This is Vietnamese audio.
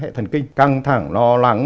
hệ thần kinh căng thẳng lo lắng